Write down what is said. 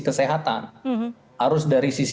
kesehatan harus dari sisi